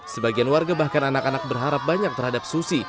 sebagian warga bahkan anak anak berharap banyak terhadap susi